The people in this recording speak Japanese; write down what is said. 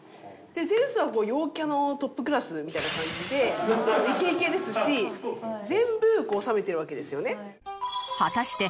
ゼウスは陽キャのトップクラスみたいな感じでイケイケですし全部おさめてるわけですよね。